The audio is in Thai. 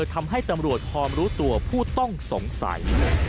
ทำให้ตำรวจพร้อมรู้ตัวผู้ต้องสงสัย